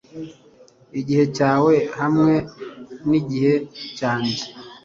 Igihe cyawe hamwe nigihe cyanjye,